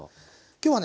今日はね